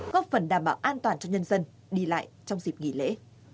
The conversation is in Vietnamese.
góp phần đảm bảo an toàn cho nhân dân đi lại trong dịp nghỉ lễ